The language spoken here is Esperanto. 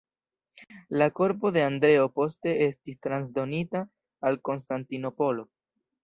La korpo de Andreo poste estis transdonita al Konstantinopolo.